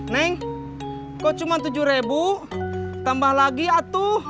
neng kok cuma tujuh ribu tambah lagi atuh